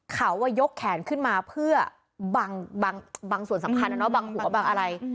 เขาว่ายกแขนขึ้นมาเพื่อบังส่วนสำคัญนะเนอะบังหัวบังอะไร